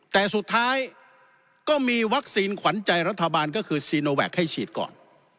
แต่สุดท้ายก็มีวัคซีนขวัญใจรัฐบาลก็คือซีโนแวคให้ฉีดก่อน